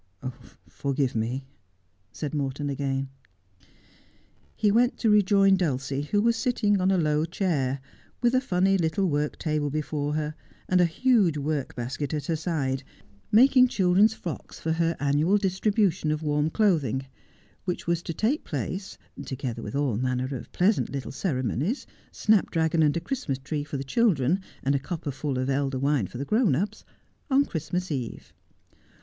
' Forgive me,' said Morgan again. He went to rejoin Dulcie, who was sitting on a low chair, with a funny little work table before her, and a huge work basket at her side, making children's frocks for her annual distribution of warm clothing, which was to take place together with all manner of pleasant little ceremonies — snapdragon, and a Christ mas tree for the children, and a copperful of elder wine for the grown ups — on Christmas Eve.